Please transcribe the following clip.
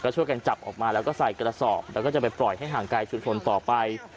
ช่วยกันจับออกมาแล้วก็ใส่กระสอบแล้วก็จะไปปล่อยให้ห่างไกลชุมชนต่อไป